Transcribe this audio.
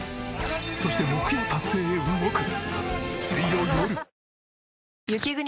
そして目標達成へ動く！